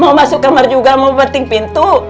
mau masuk kamar juga mau peting pintu